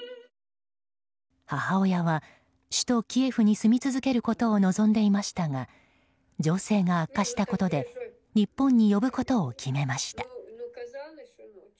母親は首都キエフに住み続けることを望んでいましたが情勢が悪化したことで日本に呼ぶことを決めました。